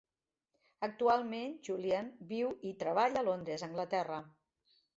Actualment, Julien viu i treballa a Londres, Anglaterra.